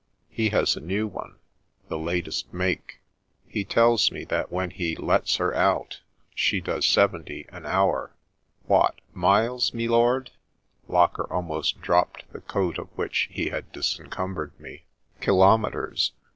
He has a new one — ^the latest make. He tells me that when he ' lets her out ' she does seventy an hour." " Wot — miles, me lord ?" Locker almost dropped the eoat of which he had disencumbered me. " Kilometres.